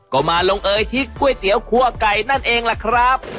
ก็มาลงเอยที่ก๋วยเตี๋ยวคั่วไก่นั่นเองล่ะครับ